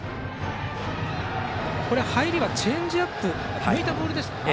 入りはチェンジアップ抜いたボールでしょうか。